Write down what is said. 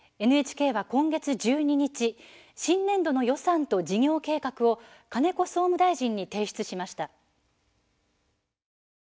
ＮＨＫは今月１２日新年度の予算と事業計画を金子総務大臣に提出しました。